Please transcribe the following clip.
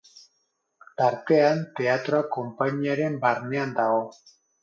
Tartean teatroa konpainiaren barnean dago.